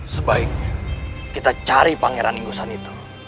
sebaiknya kita cari pangeran igusan itu